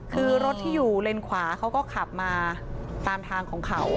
คือรถที่อยู่เลนขวาเขาก็ขับมาตามทางของเขา